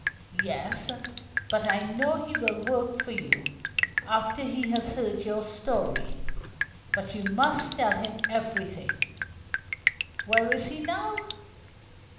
"Yes, but I know he will work for you after he has heard your story. But you must tell him everything." "Where is he now?"